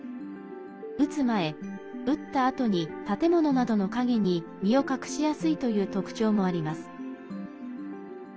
撃つ前、撃ったあとに建物などの影に身を隠しやすいという特徴もあります。